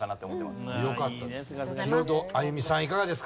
よかったです。